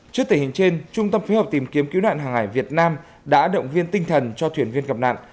trước tình hình trên trung tâm phối hợp tìm kiếm cứu nạn hàng hải việt nam đã động viên tinh thần cho thuyền viên gặp nạn